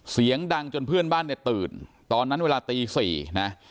เสียงดังจนเพื่อนบ้านเนี่ยตื่นตอนนั้นเวลาตี๔นะ